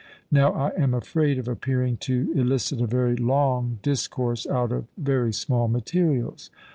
Now I am afraid of appearing to elicit a very long discourse out of very small materials.